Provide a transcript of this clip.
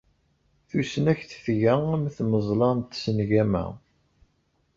Tusnakt tga am tmeẓla n tsengama.